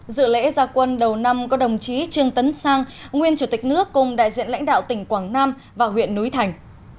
dự lễ gia quân đầu năm có đồng chí trương tấn sang nguyên chủ tịch nước cùng đại diện lãnh đạo tỉnh quảng nam và huyện núi thành